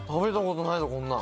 こんなん。